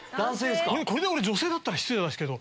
これで女性だったら失礼ですけど。